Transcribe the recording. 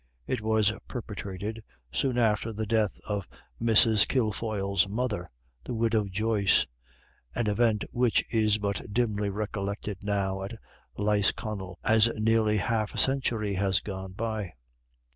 It was perpetrated soon after the death of Mrs. Kilfoyle's mother, the Widow Joyce, an event which is but dimly recollected now at Lisconnel, as nearly half a century has gone by.